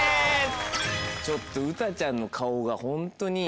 ちょっと詩ちゃんの顔がホントに。